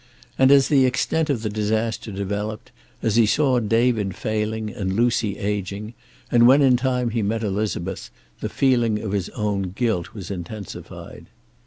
And, as the extent of the disaster developed, as he saw David failing and Lucy ageing, and when in time he met Elizabeth, the feeling of his own guilt was intensified.